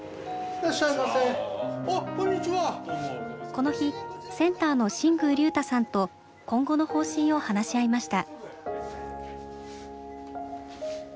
この日センターの新宮隆太さんと今後の方針を話し合いました。